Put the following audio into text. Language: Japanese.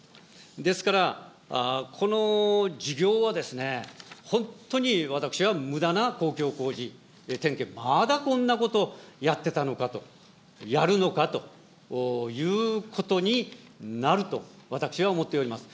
ですから、この事業は本当に私はむだな公共工事、まだこんなことやってたのかと、やるのかということになると私は思っております。